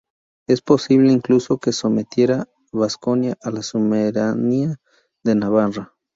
Es posible incluso que sometiera Vasconia a la suzeranía de Navarra.